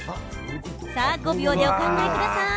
さあ、５秒でお考えください。